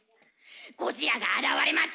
「ゴジラが現れました」。